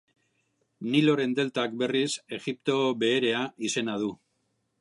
Niloren deltak, berriz, Egipto Beherea izena du.